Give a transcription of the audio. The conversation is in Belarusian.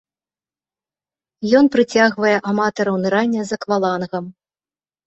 Ён прыцягвае аматараў нырання з аквалангам.